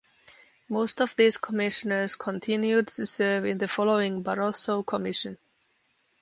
Most of these Commissioners continued to serve in the following Barroso Commission.